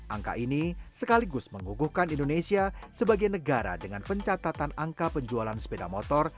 angka ini sekaligus menguguhkan indonesia sebagai negara dengan pencatatan angka penjualan sepeda motor